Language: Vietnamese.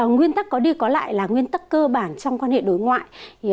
nguyên tắc có đi có lại là nguyên tắc cơ bản trong quan hệ đối ngoại